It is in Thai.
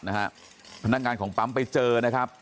พนักงานของปั๊มไปเจอนะครับ